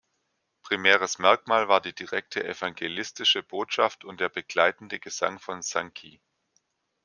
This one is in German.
Primäres Merkmal war die direkte evangelistische Botschaft und der begleitende Gesang von Sankey.